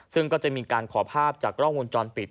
ซึ่งก็จะมีการขอภาพจากกล้องวงจรปิด